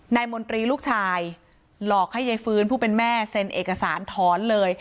มนตรีลูกชายหลอกให้ยายฟื้นผู้เป็นแม่เซ็นเอกสารถอนเลย